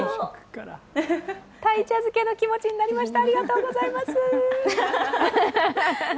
鯛茶づけの気持ちになりました。